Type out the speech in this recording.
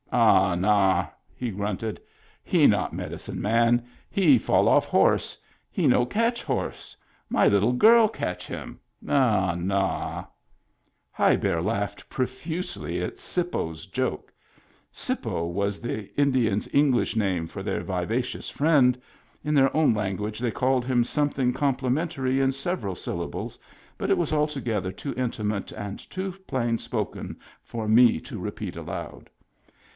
"Ah, nah," he grunted. " He not medicine man. He fall off horse. He no catch horse. My little girl catch him. Ah, nah !High Bear laughed profusely at " Sippo's " joke. " Sippo " was the Indians' English name for their vivacious friend. In their own language they called him something complimentary in several syllables, but it was al together too intimate and too plain spoken for me to repeat aloud.